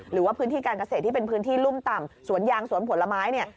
หรือว่าพื้นที่การเกษตรที่เป็นพื้นที่รุ่มต่ำสวนยางสวนผลไม้เนี่ย